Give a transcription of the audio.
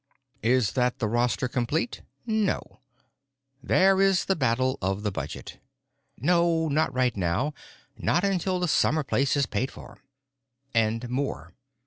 "Is that the roster complete? No. There is the battle of the budget: No, not right now, not until the summer place is paid for. And more.